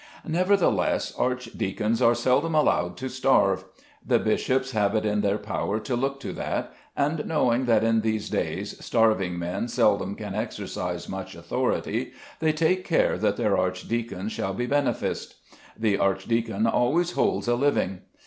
Nevertheless, archdeacons are seldom allowed to starve. The bishops have it in their power to look to that, and knowing that in these days starving men seldom can exercise much authority, they take care that their archdeacons shall be beneficed. The archdeacon always holds a living.